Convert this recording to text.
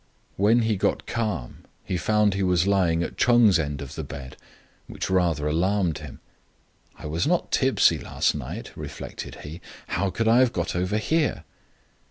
When he got calm, he found he was lying at Ch'eng's end of the bed, which rather startled him. " I was not tipsy last night," reflected he ;" how could I have got over here?"